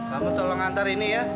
kamu tolong antar ini ya